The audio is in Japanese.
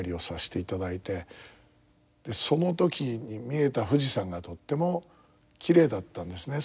その時に見えた富士山がとってもきれいだったんですね